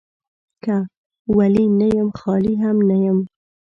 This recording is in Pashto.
که ولي نه يم ، خالي هم نه يم.